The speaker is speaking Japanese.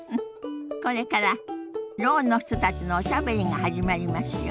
これからろうの人たちのおしゃべりが始まりますよ。